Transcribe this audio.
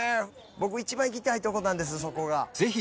僕一番行きたいとこなんですそこが。